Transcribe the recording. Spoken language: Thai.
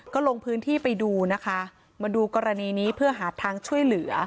ก็ลงพื้นที่ไปดูนะคะมาดูกรณีนี้เพื่อหาทางช่วยเหลือ